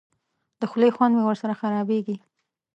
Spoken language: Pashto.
د خولې خوند مې ورسره خرابېږي.